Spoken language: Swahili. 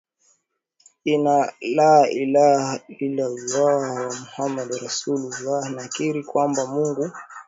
inna la ilaha ila allah wa Muhamad rasul ullah Nakiri ya kwamba Mungu